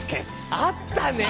あったね！